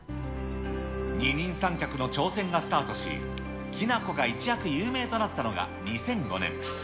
二人三脚の挑戦がスタートし、きな子が一躍有名となったのが２００５年。